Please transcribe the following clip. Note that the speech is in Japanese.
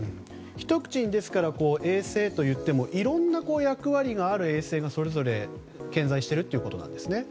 一口に衛星といってもいろんな役割がある衛星がそれぞれ点在しているということですね。